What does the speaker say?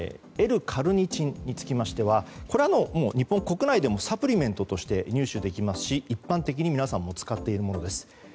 Ｌ‐カルニチンにつきましてはこれは日本国内でもサプリメントとして入手できますし一般的に皆さんも使っているものです。